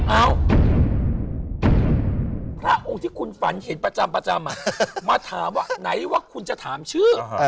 เอ้าพระองค์ที่คุณฝันเห็นประจำมาถามว่าไหนว่าคุณจะถามชื่อ